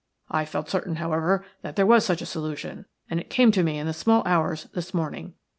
I felt certain, however, that there was such a solution, and it came to me in the small hours this morning.